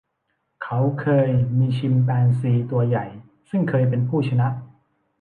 เขาเคยมีชิมแปนซีตัวใหญ่ซึ่งเคยเป็นผู้ชนะ